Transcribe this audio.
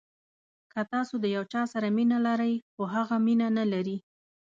که تاسو د یو چا سره مینه لرئ خو هغه مینه نلري.